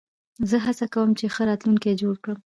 زه هڅه کوم، چي ښه راتلونکی جوړ کړم.